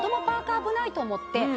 パーカー危ないと思って。